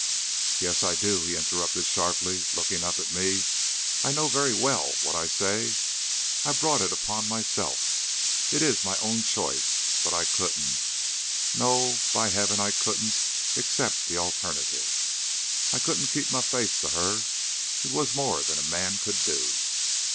"Yes, I do," he interrupted sharply, looking up at me. "I know very well what I say. I brought it upon myself. It is my own choice. But I couldn't no, by heaven, I couldn't accept the alternative. I couldn't keep my faith to her. It was more than man could do."